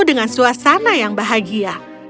dengan suasana yang bahagia